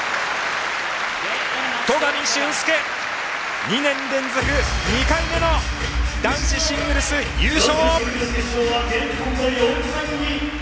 戸上隼輔、２年連続２回目の男子シングルス優勝！